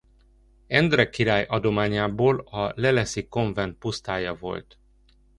Endre király adományából a leleszi konvent pusztája volt.